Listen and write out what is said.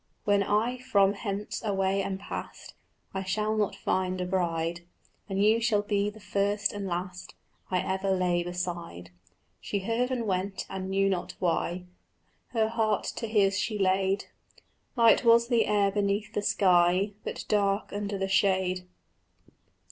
"When I from hence away am past I shall not find a bride, And you shall be the first and last I ever lay beside." She heard and went and knew not why; Her heart to his she laid; Light was the air beneath the sky But dark under the shade.